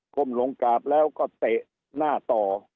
้มลงกราบแล้วก็เตะหน้าต่อ